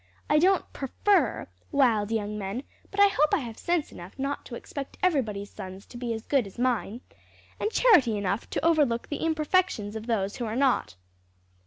I don't prefer wild young men, but I hope I have sense enough not to expect everybody's sons to be as good as mine, and charity enough to overlook the imperfections of those who are not."